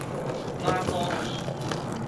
媽祖坑